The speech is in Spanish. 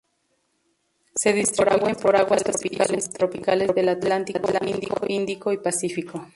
Se distribuyen por aguas tropicales y subtropicales del Atlántico, Índico y Pacífico.